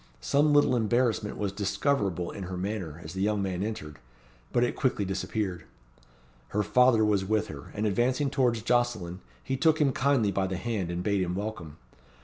Some little embarrassment was discoverable in her manner as the young man entered; but it quickly disappeared. Her father was with her; and advancing towards Jocelyn, he took him kindly by the hand, and bade him welcome.